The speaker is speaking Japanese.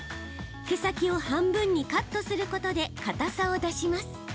毛先を半分にカットすることでかたさを出します。